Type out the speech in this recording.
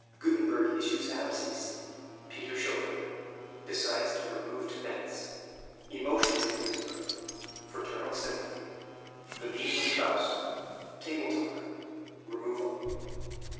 Gutenberg issues "Absies." Peter Schoeffer. Decides to remove to Mentz. Emotions of Gutenberg. Fraternal Sympathy. The Meeting with Faust. Table Talk. Removal.